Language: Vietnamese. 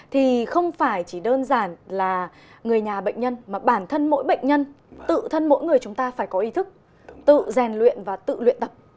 thì không phải chỉ đơn giản là người nhà bệnh nhân mà bản thân mỗi bệnh nhân tự thân mỗi người chúng ta phải có ý thức tự rèn luyện và tự luyện tập